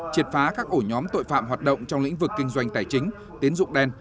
triệt phá các ổ nhóm tội phạm hoạt động trong lĩnh vực kinh doanh tài chính tiến dụng đen